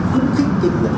hút khích kinh doanh